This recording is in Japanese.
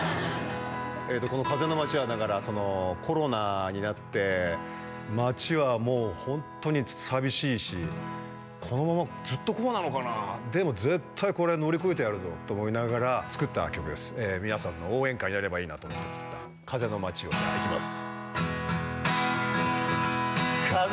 この「風の街」はだからコロナになって街はもうホントに寂しいしこのままずっとこうなのかなでも絶対これ乗り越えてやるぞと思いながら作った曲です皆さんの応援歌になればいいなと思って作った「風の街」をじゃあいきます